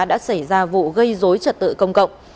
đã xảy ra vụ gây dối trật tự công cộng